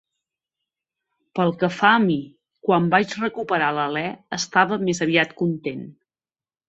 Pel que fa a mi, quan vaig recuperar l'alè, estava més aviat content.